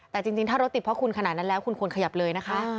แต่จริงถ้ารถติดเพราะคุณขนาดนั้นแล้วคุณควรขยับเลยนะคะ